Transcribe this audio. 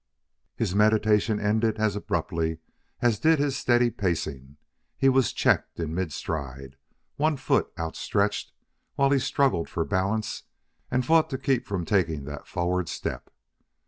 His meditation ended as abruptly as did his steady pacing: he was checked in midstride, one foot outstretched, while he struggled for balance and fought to keep from taking that forward step.